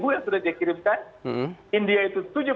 yang sudah dikirimkan india itu tujuh puluh